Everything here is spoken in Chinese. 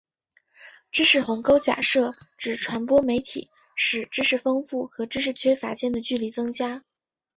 知识鸿沟假设指传播媒体使知识丰富和知识缺乏间的距离增加。